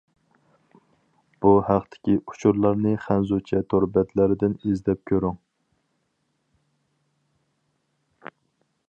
بۇ ھەقتىكى ئۇچۇرلارنى خەنزۇچە تور بەتلەردىن ئىزدەپ كۆرۈڭ!